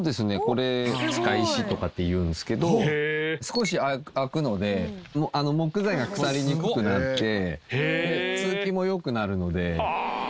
これ束石とかっていうんですけど少し空くので木材が腐りにくくなって通気も良くなるので。